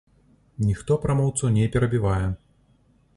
Ніхто прамоўцу не перабівае.